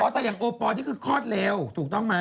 หอแต่แบบปอนนี่คือคลอดเร็วถูกต้องมั้ย